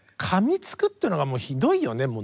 かみつくっていうのがもうひどいよね。